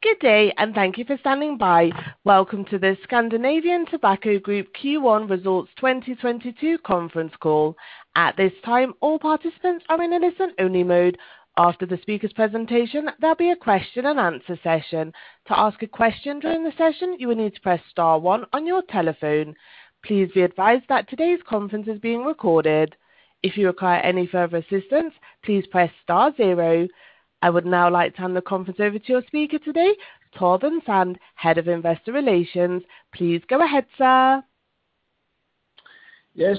Good day, thank you for standing by. Welcome to the Scandinavian Tobacco Group Q1 Results 2022 conference call. At this time, all participants are in a listen-only mode. After the speaker's presentation, there'll be a question-and-answer session. To ask a question during the session, you will need to press star one on your telephone. Please be advised that today's conference is being recorded. If you require any further assistance, please press star zero. I would now like to hand the conference over to your speaker today, Torben Sand, Head of Investor Relations. Please go ahead, sir. Yes,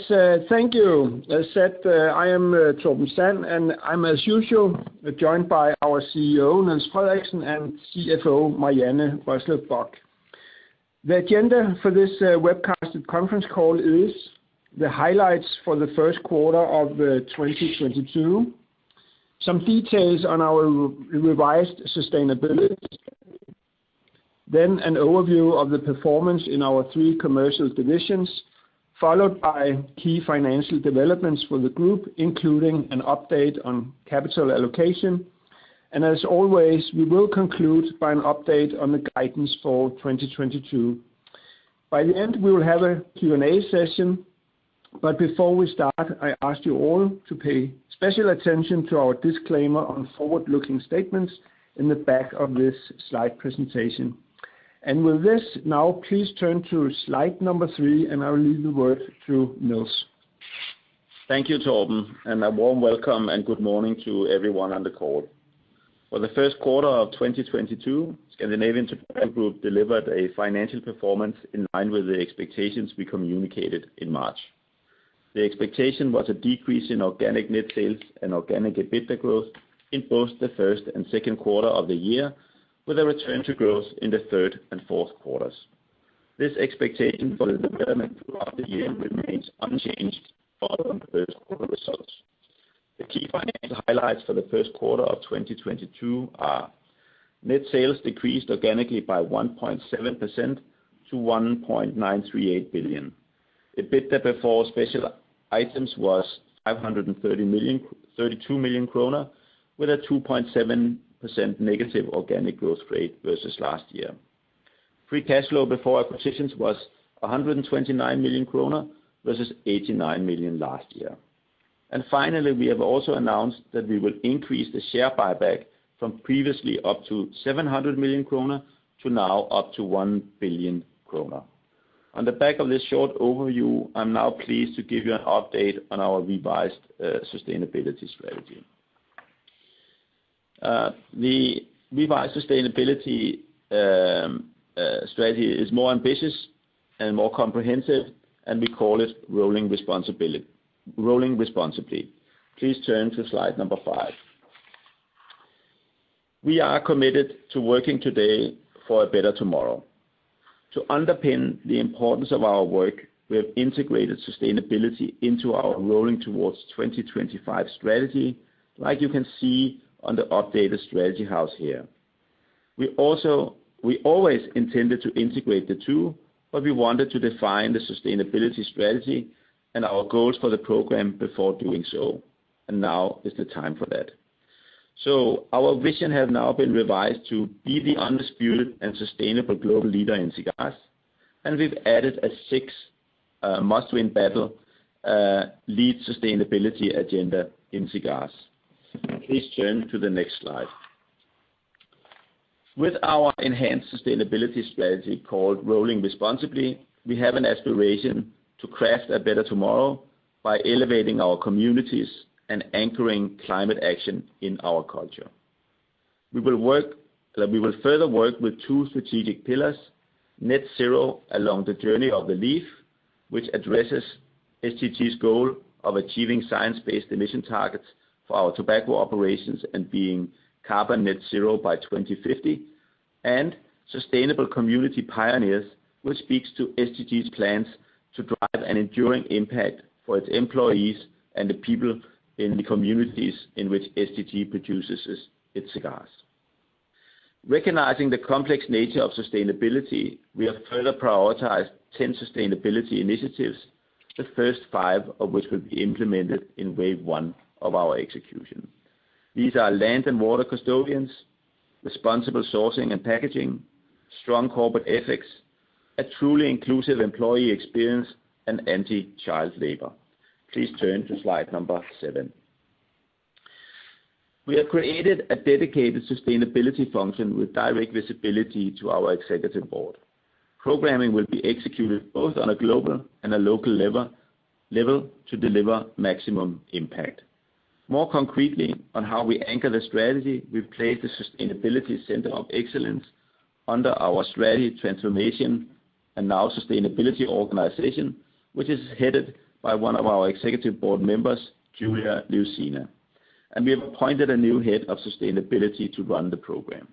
thank you. As said, I am Torben Sand, and I'm, as usual, joined by our CEO, Niels Frederiksen, and CFO, Marianne Rørslev Bock. The agenda for this webcasted conference call is the highlights for the first quarter of 2022. Some details on our revised sustainability, then an overview of the performance in our three commercial divisions, followed by key financial developments for the group, including an update on capital allocation. As always, we will conclude by an update on the guidance for 2022. By the end, we will have a Q&A session. Before we start, I ask you all to pay special attention to our disclaimer on forward-looking statements in the back of this slide presentation. With this, now please turn to slide number 3, and I will leave the word to Niels. Thank you, Torben. A warm welcome and good morning to everyone on the call. For the first quarter of 2022, Scandinavian Tobacco Group delivered a financial performance in line with the expectations we communicated in March. The expectation was a decrease in organic net sales and organic EBITDA growth in both the first and second quarter of the year, with a return to growth in the third and fourth quarters. This expectation for the development throughout the year remains unchanged following the first quarter results. The key financial highlights for the first quarter of 2022 are net sales decreased organically by 1.7% to 1.938 billion. EBITDA before special items was 532 million, with a 2.7% negative organic growth rate versus last year. Free cash flow before acquisitions was 129 million kroner versus 89 million last year. Finally, we have also announced that we will increase the share buyback from previously up to 700 million kroner to now up to 1 billion kroner. On the back of this short overview, I'm now pleased to give you an update on our revised sustainability strategy. The revised sustainability strategy is more ambitious and more comprehensive, and we call it Rolling Responsibly. Please turn to slide number 5. We are committed to working today for a better tomorrow. To underpin the importance of our work, we have integrated sustainability into our Rolling Towards 2025 strategy, like you can see on the updated strategy house here. We always intended to integrate the two, but we wanted to define the sustainability strategy and our goals for the program before doing so, and now is the time for that. Our vision has now been revised to be the undisputed and sustainable global leader in cigars, and we've added a sixth, must-win battle - lead sustainability agenda in cigars. Please turn to the next slide. With our enhanced sustainability strategy called Rolling Responsibly, we have an aspiration to craft a better tomorrow by elevating our communities and anchoring climate action in our culture. We will further work with two strategic pillars: Net-zero Along the Journey of the Leaf, which addresses STG's goal of achieving science-based emission targets for our tobacco operations and being carbon net zero by 2050, and Sustainable Community Pioneers, which speaks to STG's plans to drive an enduring impact for its employees and the people in the communities in which STG produces its cigars. Recognizing the complex nature of sustainability, we have further prioritized 10 sustainability initiatives, the first five of which will be implemented in wave one of our execution. These are land and water custodians, responsible sourcing and packaging, strong corporate ethics, a truly inclusive employee experience, and anti-child labor. Please turn to slide number 7. We have created a dedicated sustainability function with direct visibility to our executive board. Programming will be executed both on a global and a local level to deliver maximum impact. More concretely, on how we anchor the strategy, we've placed the Sustainability Center of Excellence under our strategy, transformation and sustainability organization, which is headed by one of our executive board members, Yulia Lyusina. We have appointed a new Head of Sustainability to run the program.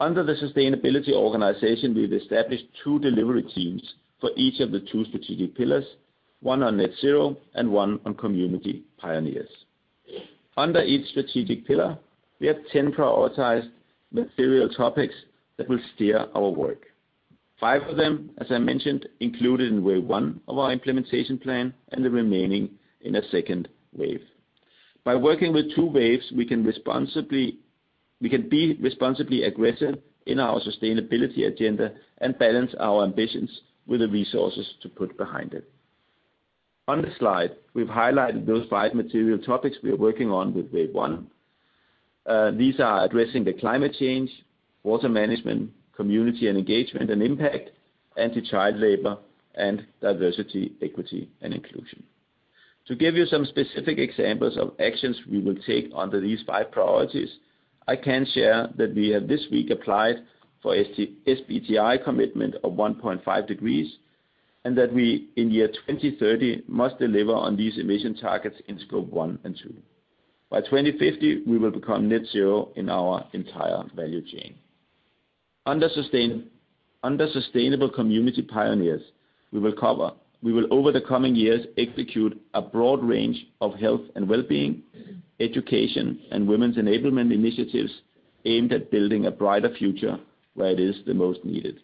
Under the sustainability organization, we've established two delivery teams for each of the two strategic pillars, one on Net-zero and one on Sustainable Community Pioneers. Under each strategic pillar, we have 10 prioritized material topics that will steer our work. Five of them, as I mentioned, included in wave 1 of our implementation plan, and the remaining in a second wave. By working with two waves, we can be responsibly aggressive in our sustainability agenda and balance our ambitions with the resources to put behind it. On this slide, we've highlighted those five material topics we are working on with wave one. These are addressing the climate change, water management, community and engagement and impact, anti-child labor, and diversity, equity, and inclusion. To give you some specific examples of actions we will take under these five priorities, I can share that we have this week applied for SBTI commitment of 1.5 degrees, and that we, in the year 2030, must deliver on these emission targets in Scope 1 and 2. By 2050, we will become net zero in our entire value chain. Under Sustainable Community Pioneers, we will, over the coming years, execute a broad range of health and well-being, education, and women's enablement initiatives aimed at building a brighter future where it is the most needed.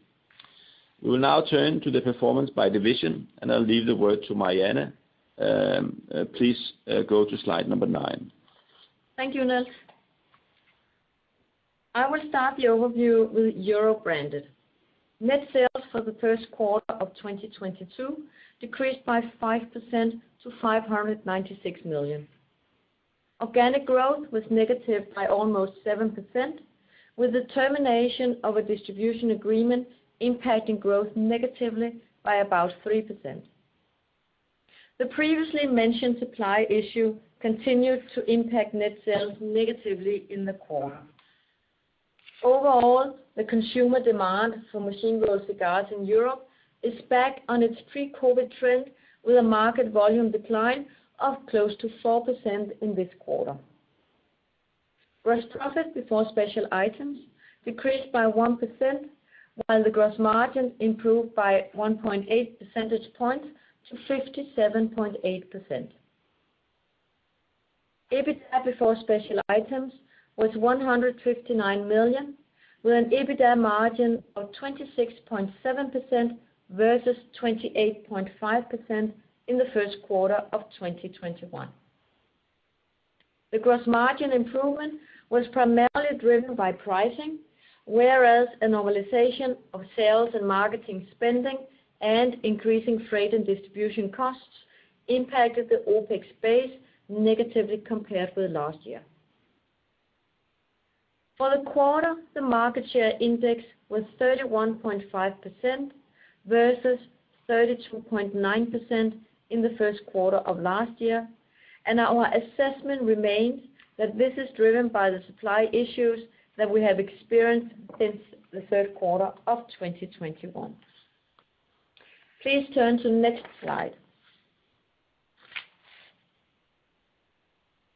We will now turn to the performance by division, and I'll leave the word to Marianne. Please, go to slide number 9. Thank you, Niels. I will start the overview with Europe Branded. Net sales for the first quarter of 2022 decreased by 5% to 596 million. Organic growth was negative by almost 7%, with the termination of a distribution agreement impacting growth negatively by about 3%. The previously mentioned supply issue continued to impact net sales negatively in the quarter. Overall, the consumer demand for machine-rolled cigars in Europe is back on its pre-COVID-19 trend, with a market volume decline of close to 4% in this quarter. Gross profit before special items decreased by 1%, while the gross margin improved by 1.8 percentage points to 57.8%. EBITDA before special items was 159 million, with an EBITDA margin of 26.7% versus 28.5% in the first quarter of 2021. The gross margin improvement was primarily driven by pricing, whereas a normalization of sales and marketing spending and increasing freight and distribution costs impacted the OpEx base negatively compared with last year. For the quarter, the market share index was 31.5% versus 32.9% in the first quarter of last year, and our assessment remains that this is driven by the supply issues that we have experienced since the third quarter of 2021. Please turn to the next slide.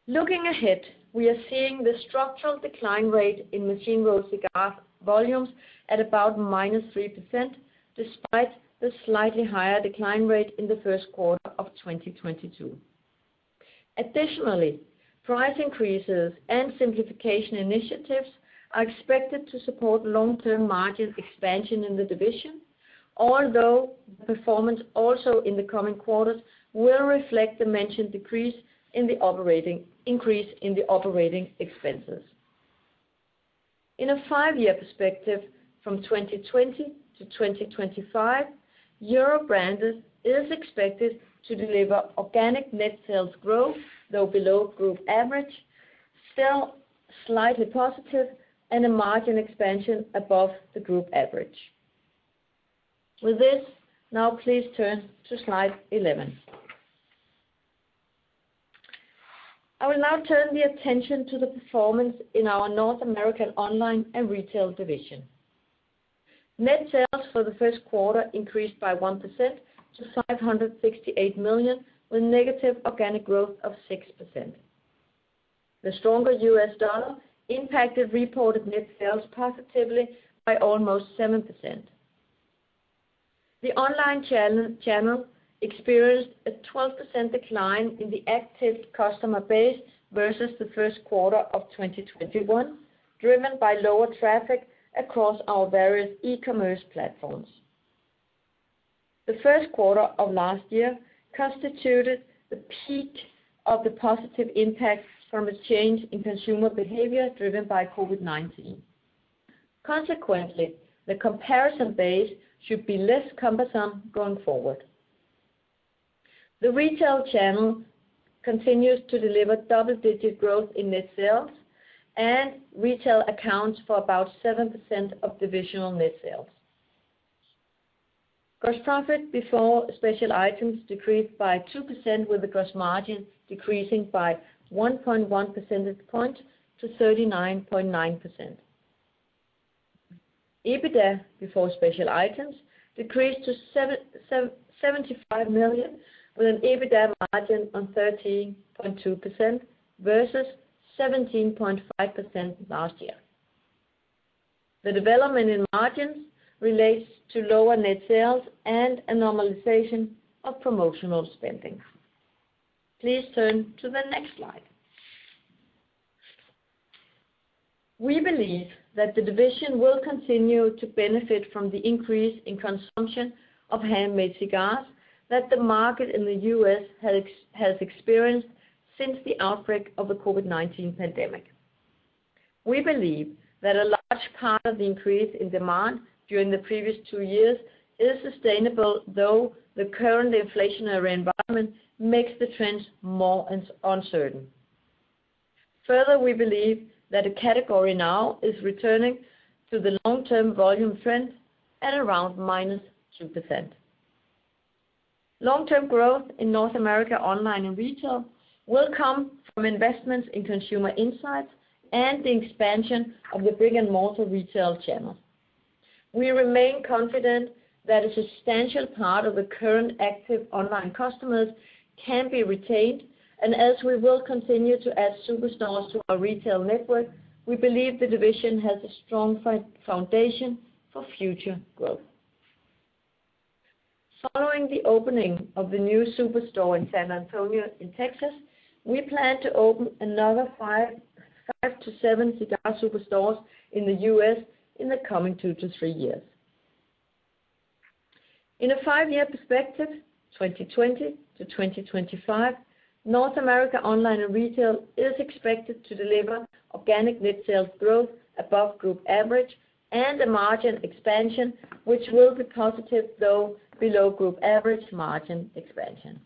Looking ahead, we are seeing the structural decline rate in machine-rolled cigar volumes at about -3%, despite the slightly higher decline rate in the first quarter of 2022. Additionally, price increases and simplification initiatives are expected to support long-term margin expansion in the division, although performance also in the coming quarters will reflect the mentioned increase in the operating expenses. In a five-year perspective, from 2020 to 2025, Europe Branded is expected to deliver organic net sales growth, though below group average, still slightly positive, and a margin expansion above the group average. With this, now please turn to slide 11. I will now turn the attention to the performance in our North America Online and Retail division. Net sales for the first quarter increased by 1% to 568 million, with negative organic growth of 6%. The stronger US dollar impacted reported net sales positively by almost 7%. The online channel experienced a 12% decline in the active customer base versus the first quarter of 2021, driven by lower traffic across our various e-commerce platforms. The first quarter of last year constituted the peak of the positive impact from a change in consumer behavior driven by COVID-19. Consequently, the comparison base should be less cumbersome going forward. The retail channel continues to deliver double-digit growth in net sales, and retail accounts for about 7% of divisional net sales. Gross profit before special items decreased by 2%, with the gross margin decreasing by 1.1 percentage points to 39.9%. EBITDA before special items decreased to 75 million, with an EBITDA margin of 13.2% versus 17.5% last year. The development in margins relates to lower net sales and a normalization of promotional spending. Please turn to the next slide. We believe that the division will continue to benefit from the increase in consumption of handmade cigars that the market in the U.S. has experienced since the outbreak of the COVID-19 pandemic. We believe that a large part of the increase in demand during the previous two years is sustainable, though the current inflationary environment makes the trends more uncertain. Further, we believe that the category now is returning to the long-term volume trend at around -2%. Long-term growth in North America Online and Retail will come from investments in consumer insights and the expansion of the brick-and-mortar retail channel. We remain confident that a substantial part of the current active online customers can be retained, and as we will continue to add superstores to our retail network, we believe the division has a strong foundation for future growth. Following the opening of the new superstore in San Antonio in Texas, we plan to open another five to seven cigar superstores in the U.S. in the coming two to three years. In a five-year perspective, 2020 to 2025, North America Online and Retail is expected to deliver organic net sales growth above group average and a margin expansion which will be positive, though below group average margin expansion.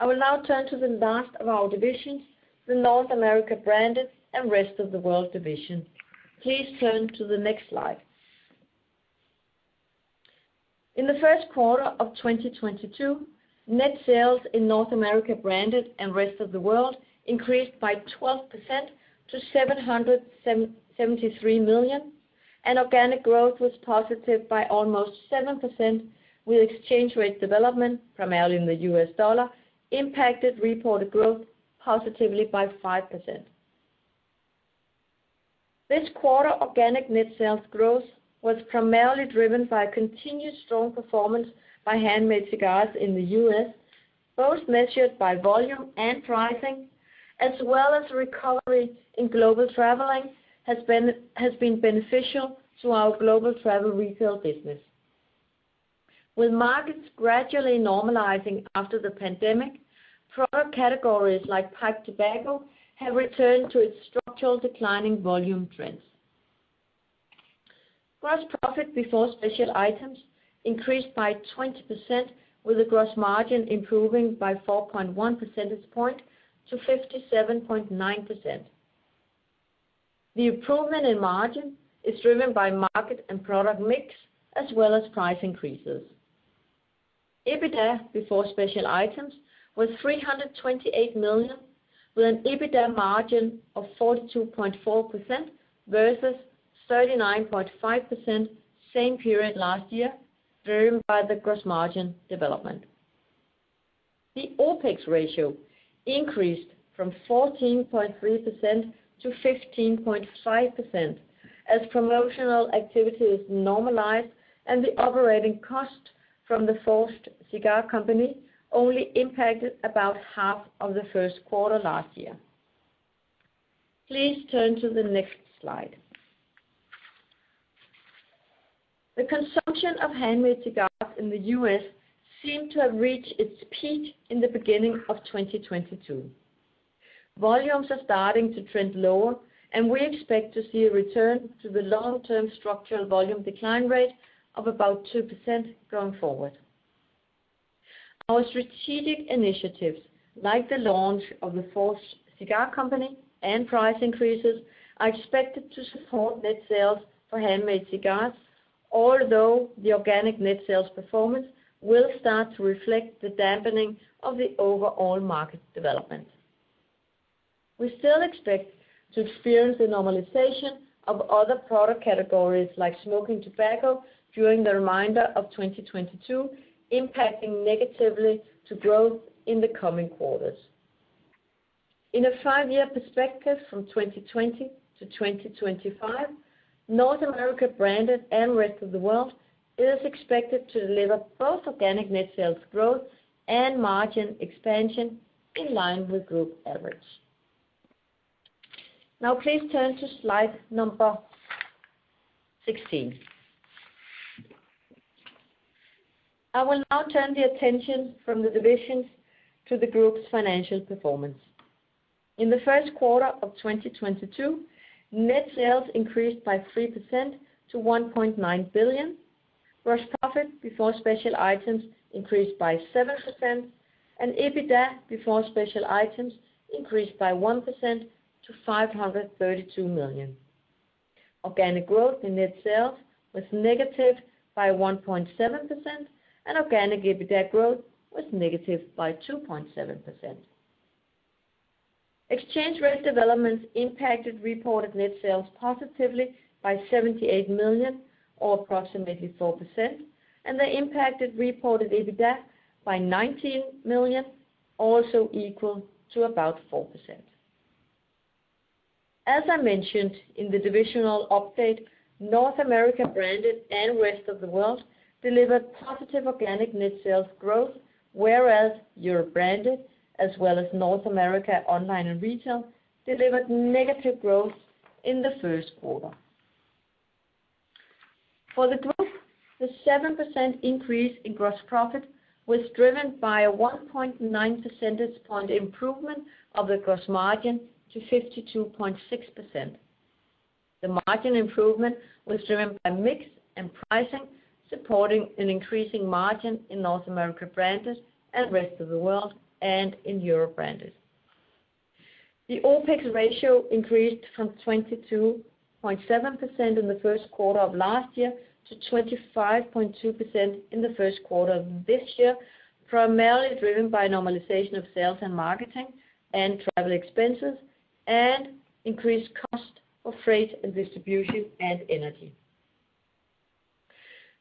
I will now turn to the last of our divisions, the North America Branded and Rest of the World division. Please turn to the next slide. In the first quarter of 2022, net sales in North America Branded and Rest of the World increased by 12% to 773 million, and organic growth was positive by almost 7%, with exchange rate development, primarily in the US dollar, impacted reported growth positively by 5%. This quarter, organic net sales growth was primarily driven by continued strong performance by handmade cigars in the U.S., both measured by volume and pricing, as well as recovery in global traveling has been beneficial to our global travel retail business. With markets gradually normalizing after the pandemic, product categories like pipe tobacco have returned to its structural declining volume trends. Gross profit before special items increased by 20%, with the gross margin improving by 4.1 percentage point to 57.9%. The improvement in margin is driven by market and product mix as well as price increases. EBITDA before special items was 328 million, with an EBITDA margin of 42.4% versus 39.5% same period last year, driven by the gross margin development. The OpEx ratio increased from 14.3% to 15.5% as promotional activities normalized and the operating cost from The Forged Cigar Company only impacted about 1/2 of the first quarter last year. Please turn to the next slide. The consumption of handmade cigars in the U.S. seem to have reached its peak in the beginning of 2022. Volumes are starting to trend lower, and we expect to see a return to the long-term structural volume decline rate of about 2% going forward. Our strategic initiatives, like the launch of The Forged Cigar Company and price increases, are expected to support net sales for handmade cigars, although the organic net sales performance will start to reflect the dampening of the overall market development. We still expect to experience the normalization of other product categories like smoking tobacco during the remainder of 2022, impacting negatively to growth in the coming quarters. In a five-year perspective from 2020 to 2025, North America Branded and Rest of the World is expected to deliver both organic net sales growth and margin expansion in line with group average. Now please turn to slide number 16. I will now turn the attention from the divisions to the group's financial performance. In the first quarter of 2022, net sales increased by 3% to 1.9 billion, gross profit before special items increased by 7%, and EBITDA before special items increased by 1% to 532 million. Organic growth in net sales was negative by 1.7%, and organic EBITDA growth was negative by 2.7%. Exchange rate developments impacted reported net sales positively by 78 million, or approximately 4%, and they impacted reported EBITDA by 19 million, also equal to about 4%. As I mentioned in the divisional update, North America Branded and Rest of the World delivered positive organic net sales growth, whereas Europe Branded as well as North America Online and Retail delivered negative growth in the first quarter. For the group, the 7% increase in gross profit was driven by a 1.9 percentage point improvement of the gross margin to 52.6%. The margin improvement was driven by mix and pricing, supporting an increasing margin in North America Branded and Rest of the World, and in Europe Branded. The OpEx ratio increased from 22.7% in the first quarter of last year to 25.2% in the first quarter of this year, primarily driven by normalization of sales and marketing, and travel expenses, and increased cost of freight and distribution and energy.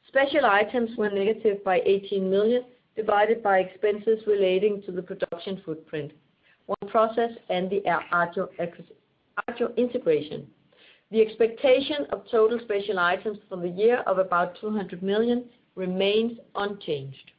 Special items were negative by 18 million, driven by expenses relating to the production footprint, One Process, and the Agio integration. The expectation of total special items for the year of about 200 million remains unchanged.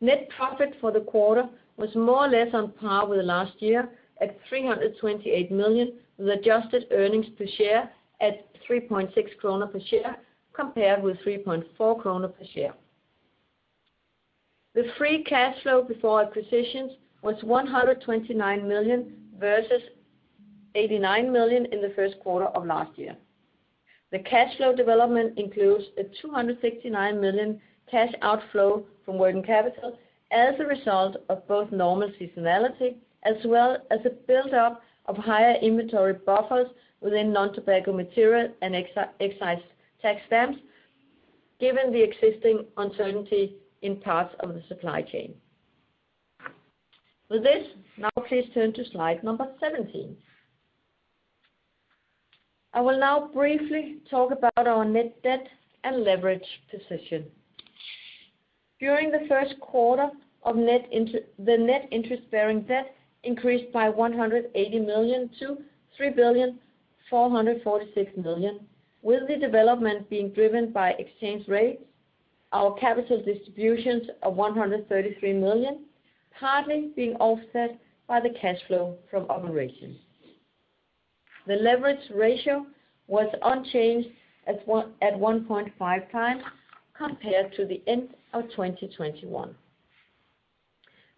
Net profit for the quarter was more or less on par with last year at 328 million, with adjusted earnings per share at 3.6 kroner per share compared with 3.4 kroner per share. The free cash flow before acquisitions was 129 million versus 89 million in the first quarter of last year. The cash flow development includes a 269 million cash outflow from working capital as a result of both normal seasonality as well as a build-up of higher inventory buffers within non-tobacco material and excise tax stamps, given the existing uncertainty in parts of the supply chain. With this, now please turn to slide number 17. I will now briefly talk about our net debt and leverage position. During the first quarter the net interest-bearing debt increased by 180 million to 3.446 billion, with the development being driven by exchange rates, our capital distributions of 133 million, partly being offset by the cash flow from operations. The leverage ratio was unchanged at 1.5x compared to the end of 2021.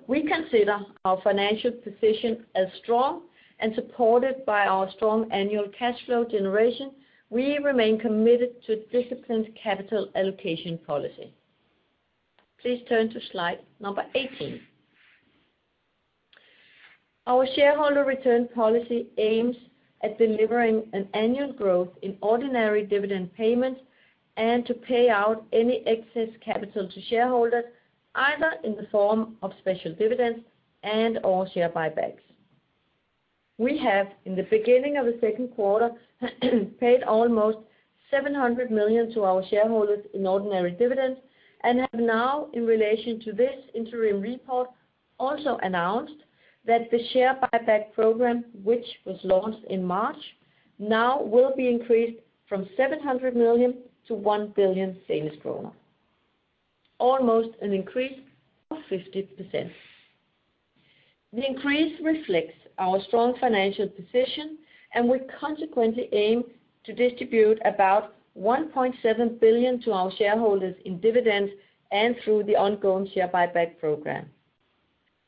We consider our financial position as strong and supported by our strong annual cash flow generation. We remain committed to disciplined capital allocation policy. Please turn to slide number 18. Our shareholder return policy aims at delivering an annual growth in ordinary dividend payments and to pay out any excess capital to shareholders either in the form of special dividends and/or share buybacks. We have, in the beginning of the second quarter, paid almost 700 million to our shareholders in ordinary dividends and have now, in relation to this interim report, also announced that the share buyback program which was launched in March now will be increased from 700 million to 1 billion Danish kroner, almost an increase of 50%. The increase reflects our strong financial position, and we consequently aim to distribute about 1.7 billion to our shareholders in dividends and through the ongoing share buyback program.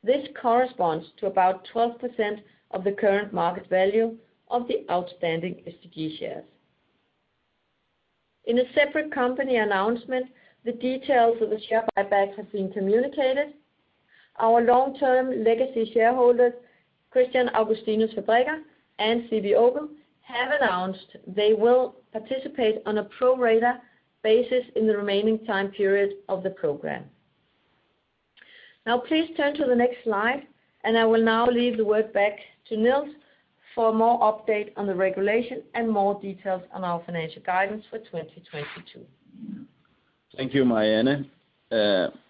This corresponds to about 12% of the current market value of the outstanding STG shares. In a separate company announcement, the details of the share buybacks have been communicated. Our long-term legacy shareholders, Chr. Augustinus Fabrikker and C.W. Obel, have announced they will participate on a pro-rata basis in the remaining time period of the program. Now please turn to the next slide, and I will now leave the word back to Niels for more update on the regulation and more details on our financial guidance for 2022. Thank you, Marianne.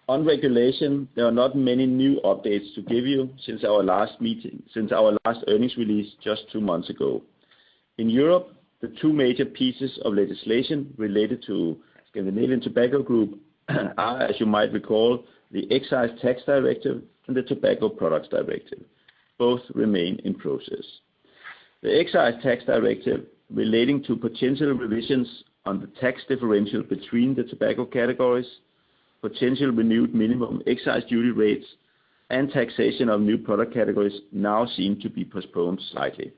On regulation, there are not many new updates to give you since our last meeting, since our last earnings release just two months ago. In Europe, the two major pieces of legislation related to Scandinavian Tobacco Group are, as you might recall, the Tobacco Excise Directive and the Tobacco Products Directive. Both remain in process. The Tobacco Excise Directive relating to potential revisions on the tax differential between the tobacco categories, potential renewed minimum excise duty rates, and taxation of new product categories now seem to be postponed slightly.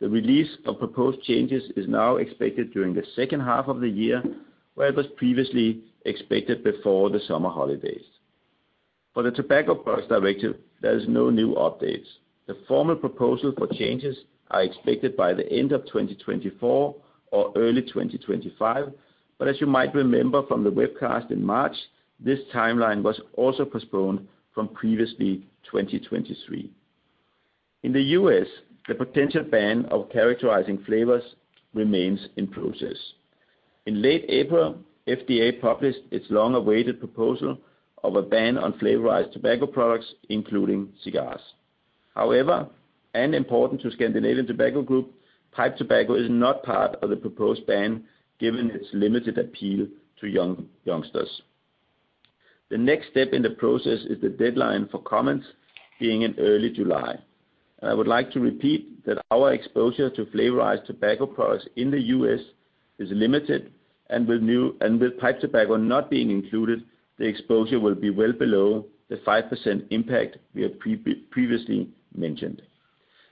The release of proposed changes is now expected during the second half of the year, where it was previously expected before the summer holidays. For the Tobacco Products Directive, there is no new updates. The formal proposal for changes are expected by the end of 2024 or early 2025. As you might remember from the webcast in March, this timeline was also postponed from previously 2023. In the U.S., the potential ban of characterizing flavors remains in process. In late April, FDA published its long-awaited proposal of a ban on flavored tobacco products, including cigars. However, and important to Scandinavian Tobacco Group, pipe tobacco is not part of the proposed ban given its limited appeal to young youngsters. The next step in the process is the deadline for comments being in early July. I would like to repeat that our exposure to flavored tobacco products in the U.S. is limited, and with pipe tobacco not being included, the exposure will be well below the 5% impact we have previously mentioned.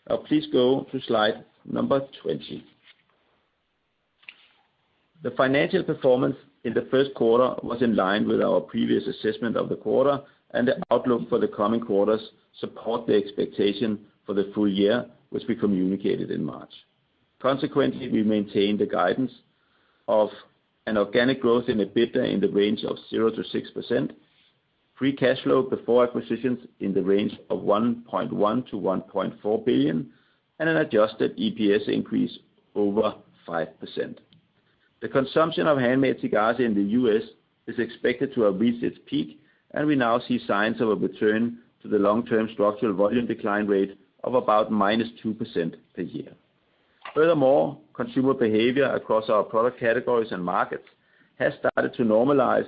Now, please go to slide number 20. The financial performance in the first quarter was in line with our previous assessment of the quarter, and the outlook for the coming quarters support the expectation for the full year, which we communicated in March. Consequently, we maintain the guidance of an organic growth in EBITDA in the range of 0%-6%, free cash flow before acquisitions in the range of 1.1 billion-1.4 billion, and an adjusted EPS increase over 5%. The consumption of handmade cigars in the U.S. is expected to have reached its peak, and we now see signs of a return to the long-term structural volume decline rate of about -2% per year. Furthermore, consumer behavior across our product categories and markets has started to normalize,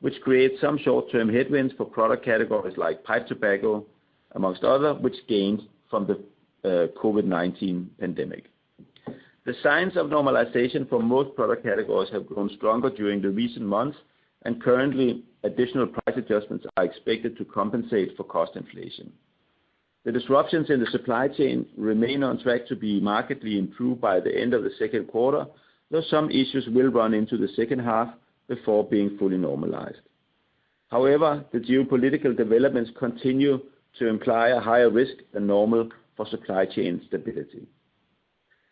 which creates some short-term headwinds for product categories like pipe tobacco, among others, which gained from the COVID-19 pandemic. The signs of normalization for most product categories have grown stronger during the recent months, and currently additional price adjustments are expected to compensate for cost inflation. The disruptions in the supply chain remain on track to be markedly improved by the end of the second quarter, though some issues will run into the second half before being fully normalized. However, the geopolitical developments continue to imply a higher risk than normal for supply chain stability.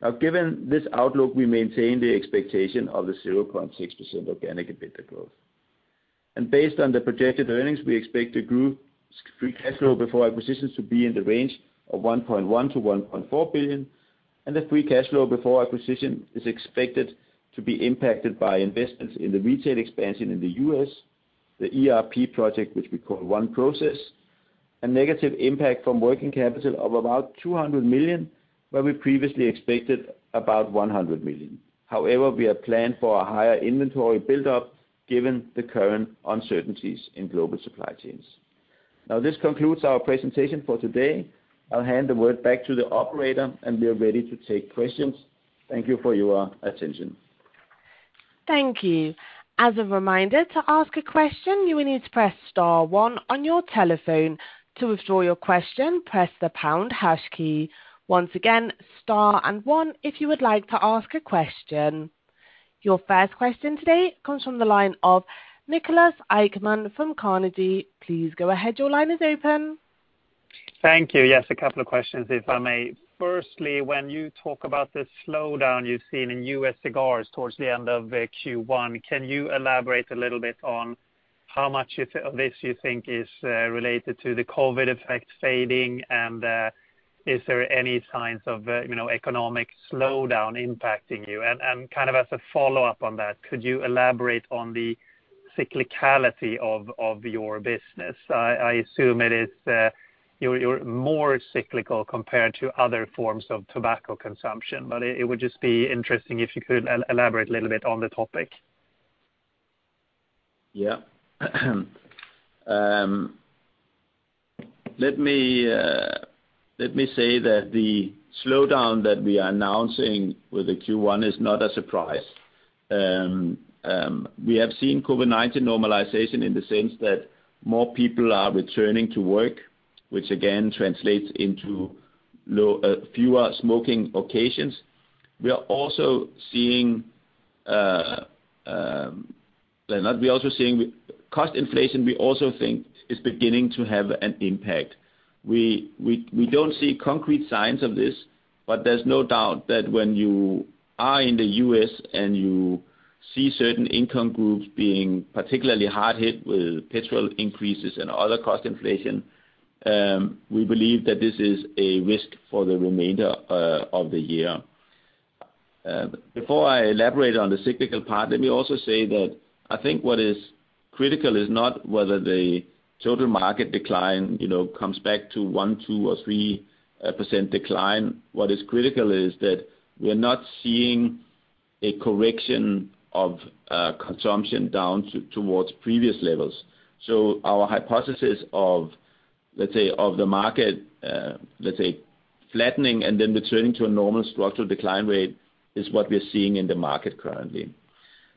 Now given this outlook, we maintain the expectation of the 0.6% organic EBITDA growth. Based on the projected earnings, we expect the group's free cash flow before acquisitions to be in the range of 1.1 billion-1.4 billion, and the free cash flow before acquisition is expected to be impacted by investments in the retail expansion in the U.S., the ERP project, which we call One Process, a negative impact from working capital of about 200 million, where we previously expected about 100 million. However, we have planned for a higher inventory build-up given the current uncertainties in global supply chains. Now, this concludes our presentation for today. I'll hand the word back to the operator, and we are ready to take questions. Thank you for your attention. Thank you. As a reminder, to ask a question, you will need to press star one on your telephone. To withdraw your question, press the pound hash key. Once again, star and one if you would like to ask a question. Your first question today comes from the line of Niklas Ekman from Carnegie. Please go ahead. Your line is open. Thank you. Yes, a couple of questions, if I may. Firstly, when you talk about the slowdown you've seen in U.S. cigars towards the end of Q1, can you elaborate a little bit on how much of this you think is related to the COVID effect fading? And, is there any signs of, you know, economic slowdown impacting you? And kind of as a follow-up on that, could you elaborate on the cyclicality of your business? I assume it is, you're more cyclical compared to other forms of tobacco consumption, but it would just be interesting if you could elaborate a little bit on the topic. Yeah. Let me say that the slowdown that we are announcing with the Q1 is not a surprise. We have seen COVID-19 normalization in the sense that more people are returning to work, which again translates into fewer smoking occasions. We are also seeing cost inflation, we also think is beginning to have an impact. We don't see concrete signs of this, but there's no doubt that when you are in the U.S., and you see certain income groups being particularly hard hit with petrol increases and other cost inflation, we believe that this is a risk for the remainder of the year. Before I elaborate on the cyclical part, let me also say that I think what is critical is not whether the total market decline, you know, comes back to 1%, 2%, or 3% decline. What is critical is that we are not seeing a correction of consumption down towards previous levels. Our hypothesis of, let's say, the market flattening and then returning to a normal structural decline rate is what we're seeing in the market currently.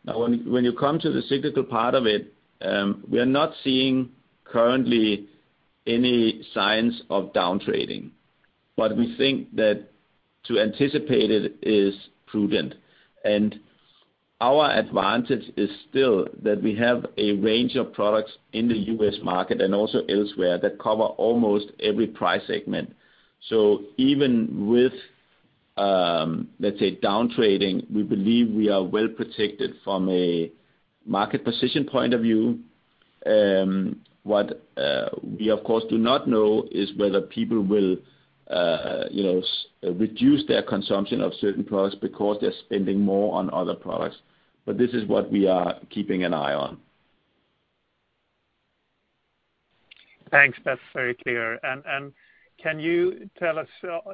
Now, when you come to the cyclical part of it, we are not seeing currently any signs of down trading, but we think that to anticipate it is prudent. Our advantage is still that we have a range of products in the U.S. market and also elsewhere that cover almost every price segment. Even with, let's say, down trading, we believe we are well protected from a market position point of view. What we, of course, do not know is whether people will, you know, reduce their consumption of certain products because they're spending more on other products. This is what we are keeping an eye on. Thanks. That's very clear. Can you tell us,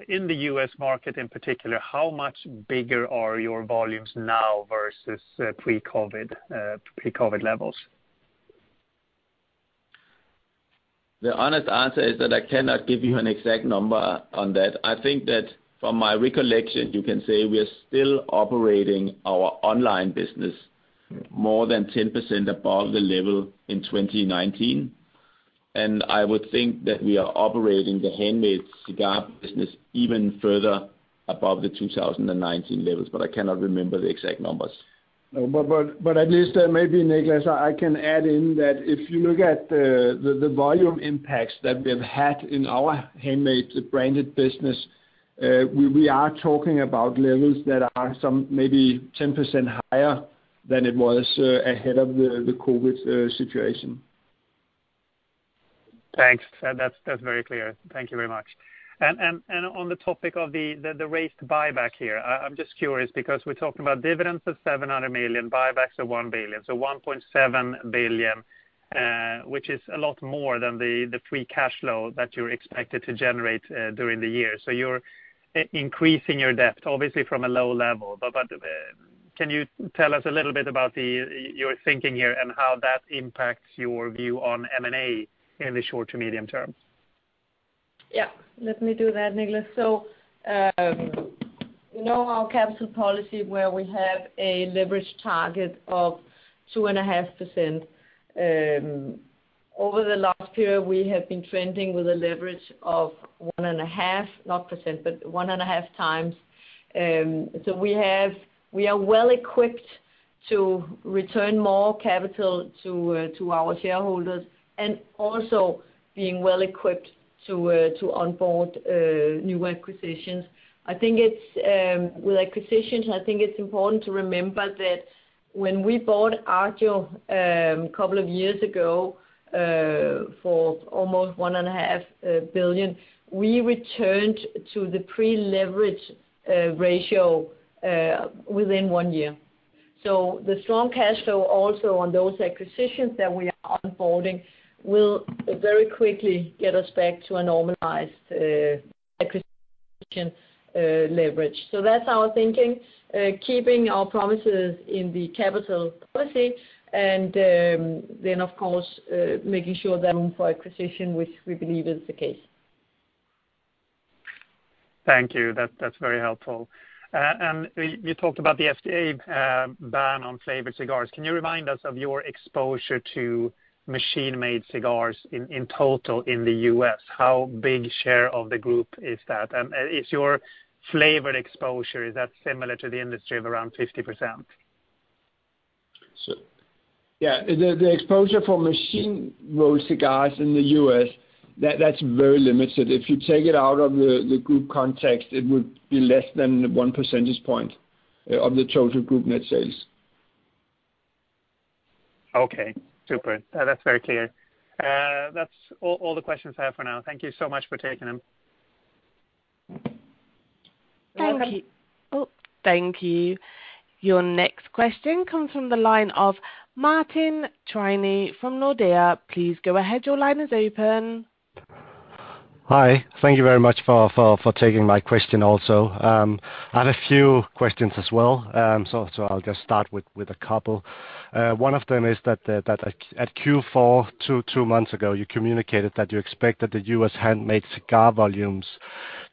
in the U.S. market in particular, how much bigger are your volumes now versus pre-COVID levels? The honest answer is that I cannot give you an exact number on that. I think that from my recollection, you can say we are still operating our online business more than 10% above the level in 2019. I would think that we are operating the handmade cigar business even further above the 2019 levels, but I cannot remember the exact numbers. At least maybe, Niklas, I can add in that if you look at the volume impacts that we've had in our handmade branded business, we are talking about levels that are some maybe 10% higher than it was ahead of the COVID situation. Thanks. That's very clear. Thank you very much. On the topic of the raised buyback here, I'm just curious because we're talking about dividends of 700 million, buybacks of 1 billion, so 1.7 billion, which is a lot more than the free cash flow that you're expected to generate during the year. You're increasing your debt, obviously from a low level. Can you tell us a little bit about your thinking here and how that impacts your view on M&A in the short to medium term? Yeah. Let me do that, Niklas. You know our capital policy where we have a leverage target of 2.5%. Over the last period, we have been trending with a leverage of 1.5, not percent, but 1.5 times. We are well equipped to return more capital to our shareholders, and also being well equipped to onboard new acquisitions. I think it's, with acquisitions, I think it's important to remember that when we bought Agio couple of years ago for almost 1.5 billion, we returned to the pre-leverage ratio within one year. The strong cash flow also on those acquisitions that we are onboarding will very quickly get us back to a normalized acquisition leverage. That's our thinking, keeping our promises in the capital policy, and then of course making sure that room for acquisition, which we believe is the case. Thank you. That's very helpful. And you talked about the FDA ban on flavored cigars. Can you remind us of your exposure to machine-made cigars in total in the U.S.? How big share of the group is that? And is your flavored exposure, is that similar to the industry of around 50%? Yeah, the exposure for machine-rolled cigars in the U.S., that's very limited. If you take it out of the group context, it would be less than 1 percentage point of the total group net sales. Okay. Super. That's very clear. That's all the questions I have for now. Thank you so much for taking them. Thank you. Thank you. Your next question comes from the line of Martin Brenøe from Nordea. Please go ahead. Your line is open. Hi. Thank you very much for taking my question also. I have a few questions as well. I'll just start with a couple. One of them is that at Q4 two months ago, you communicated that you expected the U.S. handmade cigar volumes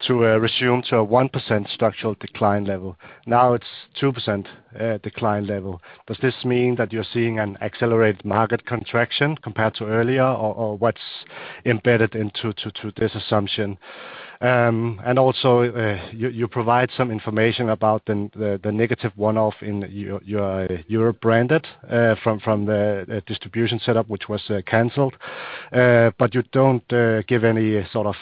to resume to a 1% structural decline level. Now it's 2% decline level. Does this mean that you're seeing an accelerated market contraction compared to earlier, or what's embedded into this assumption? Also, you provide some information about the negative one-off in your Europe Branded from the distribution setup, which was canceled. But, you don't give any sort of,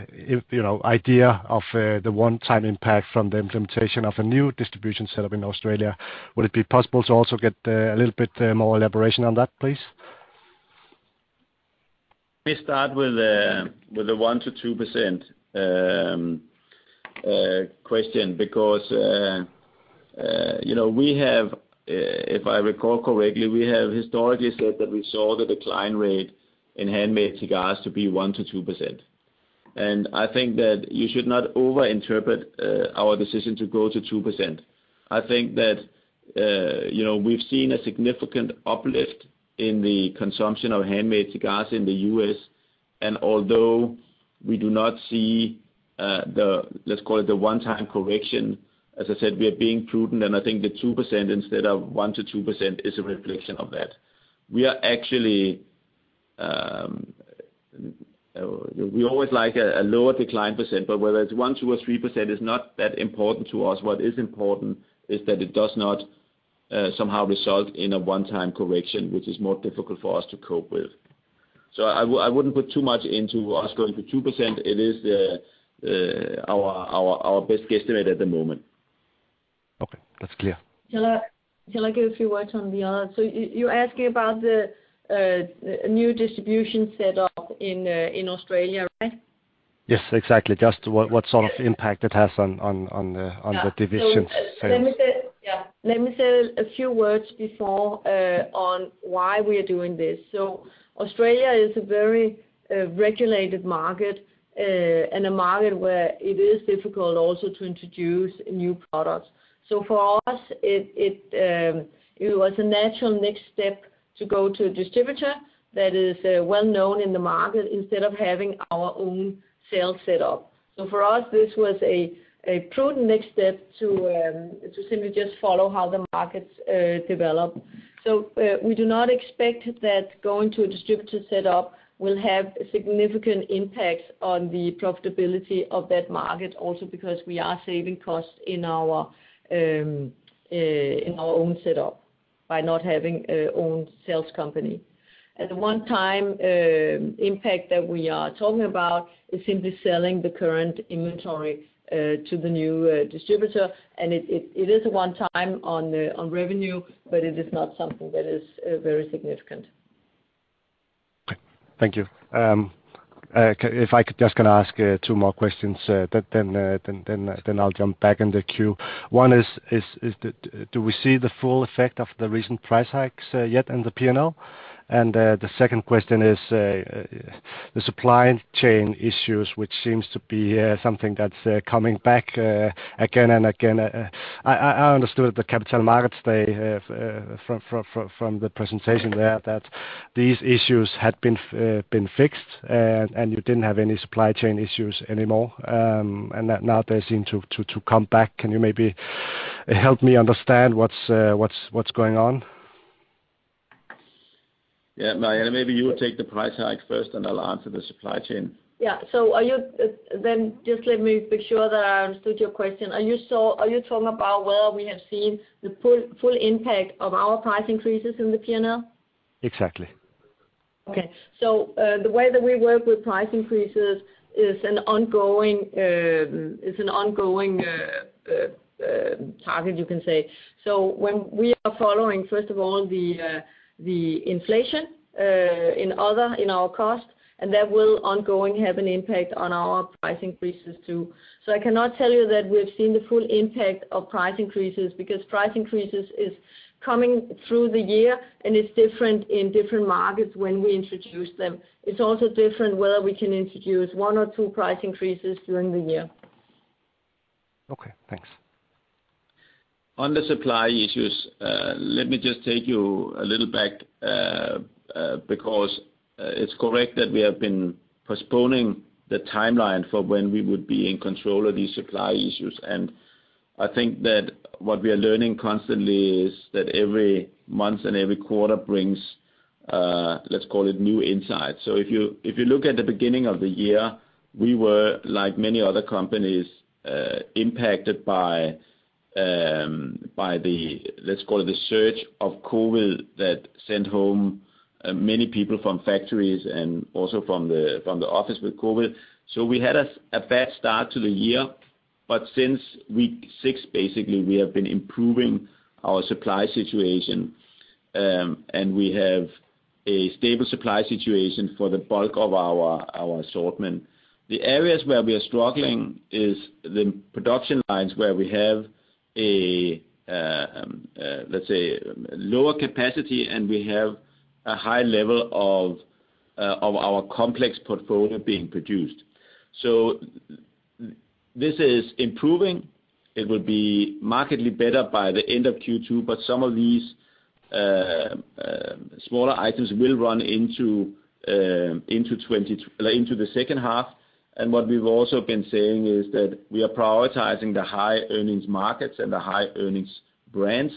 you know, idea of the one-time impact from the implementation of a new distribution set up in Australia. Would it be possible to also get a little bit more elaboration on that, please? Let me start with the 1%-2% question because you know, if I recall correctly, we have historically said that we saw the decline rate in handmade cigars to be 1% to 2%. I think that you should not overinterpret our decision to grow to 2%. I think that, you know, we've seen a significant uplift in the consumption of handmade cigars in the U.S. Although we do not see the, let's call it, the one-time correction, as I said, we are being prudent, and I think the 2% instead of 1% to 2% is a reflection of that. We are actually--we always like a lower decline percent, but whether it's 1%, 2%, or 3% is not that important to us. What is important is that it does not somehow result in a one-time correction, which is more difficult for us to cope with. I wouldn't put too much into us going to 2%. It is our best guesstimate at the moment. Okay. That's clear. Shall I give a few words on the other? You're asking about the new distribution set up in Australia, right? Yes, exactly. Just what sort of impact it has on the divisions. Let me say a few words before on why we are doing this. Australia is a very regulated market and a market where it is difficult also to introduce new products. For us, it was a natural next step to go to a distributor that is well-known in the market instead of having our own sales set up. For us, this was a prudent next step to simply just follow how the markets develop. We do not expect that going to a distributor set up will have significant impacts on the profitability of that market also because we are saving costs in our own setup by not having our own sales company. The one-time impact that we are talking about is simply selling the current inventory to the new distributor, and it is a one-time on the revenue, but it is not something that is very significant. Thank you. If I could, just gonna ask two more questions, but then I'll jump back in the queue. One is, do we see the full effect of the recent price hikes yet in the P&L? And the second question is, the supply chain issues, which seems to be something that's coming back again and again. I understood from the Capital Markets Day presentation there that these issues had been fixed, and you didn't have any supply chain issues anymore, and that now they seem to come back. Can you maybe help me understand what's going on? Yeah. Marianne, maybe you take the price hike first, and I'll answer the supply chain. Let me make sure that I understood your question. Are you talking about where we have seen the full impact of our price increases in the P&L? Exactly. Okay, the way that we work with price increases is an ongoing target, you can say. When we are following, first of all the inflation in our cost, and that will ongoing have an impact on our price increases, too. I cannot tell you that we've seen the full impact of price increases, because price increases is coming through the year, and it's different in different markets when we introduce them. It's also different whether we can introduce one or two price increases during the year. Okay, thanks. On the supply issues, let me just take you a little back, because it's correct that we have been postponing the timeline for when we would be in control of these supply issues. I think that what we are learning constantly is that every month and every quarter brings, let's call it new insights. If you look at the beginning of the year, we were, like many other companies, impacted by, let's call it, the surge of COVID that sent home many people from factories and also from the office with COVID. We had a bad start to the year. Since week six, basically, we have been improving our supply situation, and we have a stable supply situation for the bulk of our assortment. The areas where we are struggling is the production lines where we have, let's say, lower capacity, and we have a high level of our complex portfolio being produced. This is improving. It will be markedly better by the end of Q2, but some of these smaller items will run into the second half. What we've also been saying is that we are prioritizing the high earnings markets and the high earnings brands,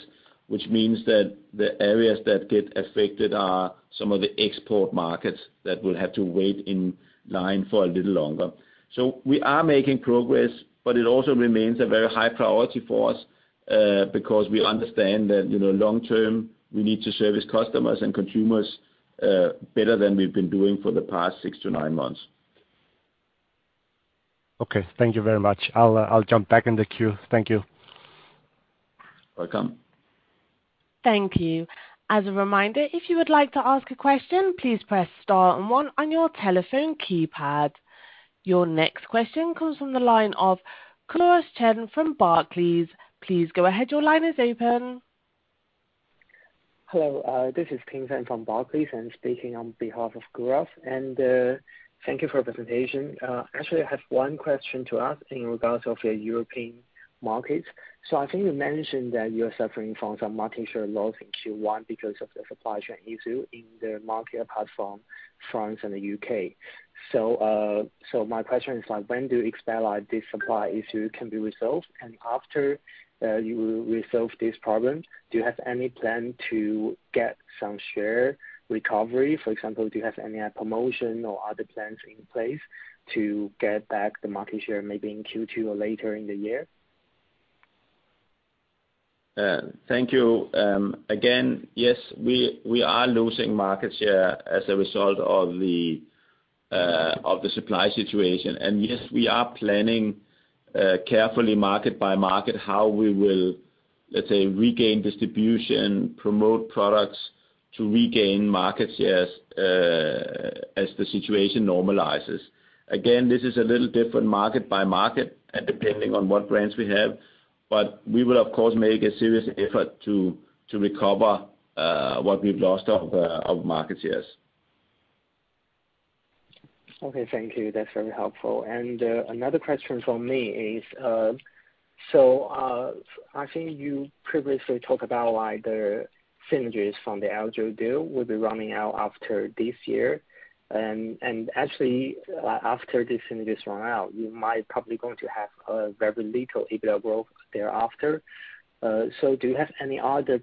which means that the areas that get affected are some of the export markets that will have to wait in line for a little longer. We are making progress, but it also remains a very high priority for us, because we understand that, you know, long term, we need to service customers and consumers, better than we've been doing for the past six to nine months. Okay. Thank you very much. I'll jump back in the queue. Thank you. Welcome. Thank you. As a reminder, if you would like to ask a question, please press star and one on your telephone keypad. Your next question comes from the line of Klaus Chen from Barclays. Please go ahead. Your line is open. Hello. This is Qing Qin from Barclays, and speaking on behalf of Klaus. Thank you for the presentation. Actually, I have one question to ask in regards of the European markets. I think you mentioned that you are suffering from some market share loss in Q1 because of the supply chain issue in the market, apart from France and the U.K. My question is like, when do you expect, like, this supply issue can be resolved? And after you resolve this problem, do you have any plan to get some share recovery? For example, do you have any promotion or other plans in place to get back the market share maybe in Q2 or later in the year? Thank you. Again, yes, we are losing market share as a result of the supply situation. Yes, we are planning carefully market by market how we will. Let's say, regain distribution, promote products to regain market shares, as the situation normalizes. Again, this is a little different market by market and depending on what brands we have, but we will, of course, make a serious effort to recover what we've lost of our market shares. Okay. Thank you. That's very helpful. Another question from me is, so I think you previously talked about why the synergies from the Agio deal will be running out after this year. Actually, after these synergies run out, you might probably going to have very little EBITDA growth thereafter. Do you have any other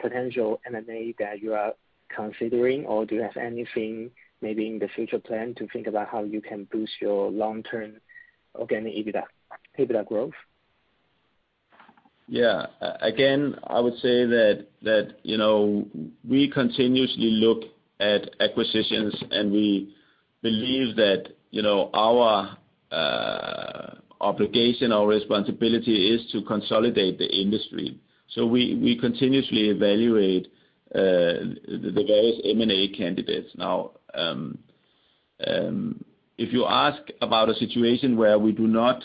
potential M&A that you are considering, or do you have anything maybe in the future plan to think about how you can boost your long-term organic EBITDA growth? Yeah. Again, I would say that, you know, we continuously look at acquisitions, and we believe that, you know, our obligation or responsibility is to consolidate the industry. We continuously evaluate the various M&A candidates. Now, if you ask about a situation where we do not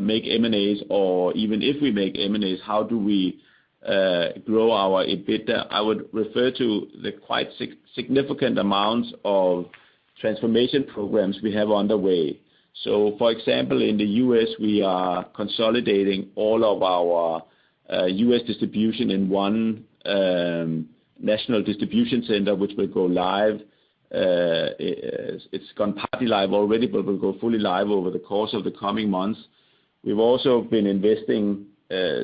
make M&As or even if we make M&As, how do we grow our EBITDA? I would refer to the quite significant amounts of transformation programs we have on the way. For example, in the U.S., we are consolidating all of our U.S. distribution in one national distribution center, which will go live. It's gone partly live already, but will go fully live over the course of the coming months. We've also been investing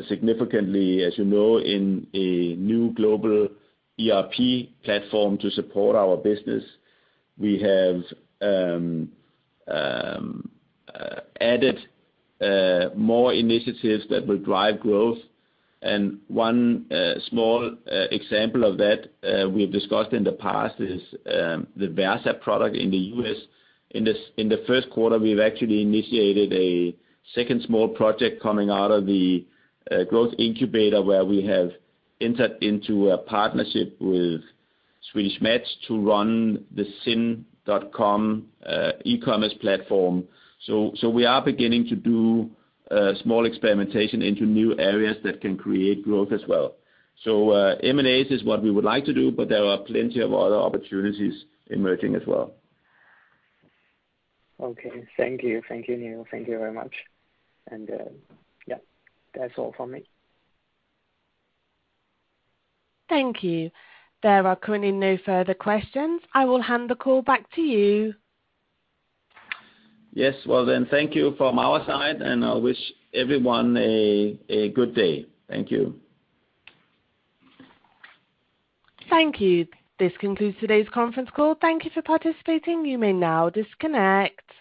significantly, as you know, in a new global ERP platform to support our business. We have added more initiatives that will drive growth. One small example of that we've discussed in the past is the XQS product in the U.S. In the first quarter, we've actually initiated a second small project coming out of the growth incubator, where we have entered into a partnership with Swedish Match to run the SnusMe.com e-commerce platform. We are beginning to do small experimentation into new areas that can create growth as well. M&A is what we would like to do, but there are plenty of other opportunities emerging as well. Okay. Thank you. Thank you, Niels. Thank you very much. Yeah, that's all from me. Thank you. There are currently no further questions. I will hand the call back to you. Yes. Well, thank you from our side, and I'll wish everyone a good day. Thank you. Thank you. This concludes today's conference call. Thank you for participating. You may now disconnect.